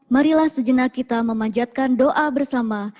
marilah sejenak kita memanjatkan doa bersama